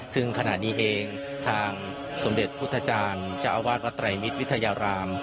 ซึ่งขณะนี้เองทางสมเด็จพุทธจารย์เจ้าอาวาสวัดไตรมิตรวิทยาราม